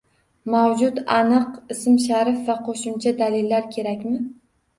Mavjud aniq ism-sharif va qoʻshimcha dalillar kerakmi?